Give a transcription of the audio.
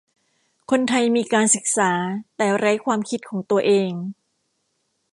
คนไทยมีการศึกษาแต่ไร้ความคิดของตัวเอง